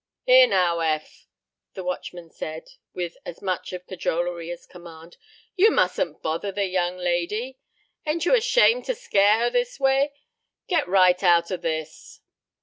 "Here, now, Eph," the watchman said, with as much of cajolery as command, "you mustn't bother the young lady. Ain't you ashamed to scare her this way? Get right out of this."